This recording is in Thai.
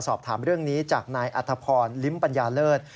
สอบถามเรื่องนี้จากนายอัธพรลิ้มปัญญาเลิศ